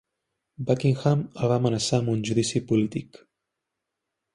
Buckingham el va amenaçar amb un judici polític.